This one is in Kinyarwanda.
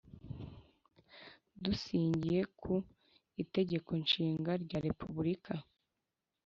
Dusingiye ku Itegeko Nshinga rya Repubulika